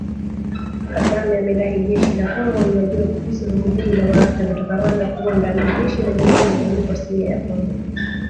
Kagame amedai Jeshi la Kongo linajua kuhusu Vuguvugu la waasi kutoka Rwanda kuwa ndani ya jeshi la Jamhuri ya Kidemokrasia Ya Kongo